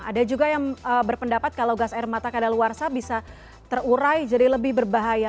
ada juga yang berpendapat kalau gas air mata kadaluarsa bisa terurai jadi lebih berbahaya